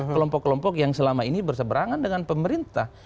kelompok kelompok yang selama ini berseberangan dengan pemerintah